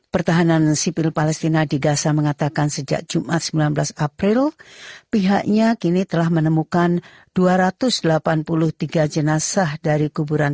pertahanan sipil palestina di gaza mengatakan sejak jumat sembilan belas april pihaknya kini telah menemukan dua ratus delapan puluh tiga jenazah dari kuburan